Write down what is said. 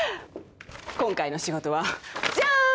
今回の仕事はジャーン！